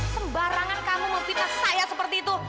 sembarangan kamu memfitnah saya seperti itu